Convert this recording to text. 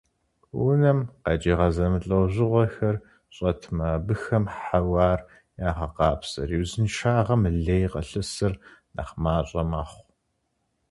Унэм къэкӀыгъэ зэмылӀэужьыгъуэхэр щӀэтмэ, абыхэм хьэуар ягъэкъабзэри, узыншагъэм лей къылъысыр нэхъ мащӀэ мэхъу.